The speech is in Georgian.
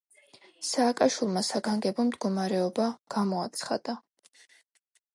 სააკაშვილმა საგანგებო მდგომარეობა გამოაცხადა.